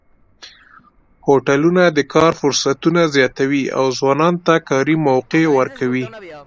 هوټلونه د کار فرصتونه زیاتوي او ځوانانو ته کاري موقع ورکوي.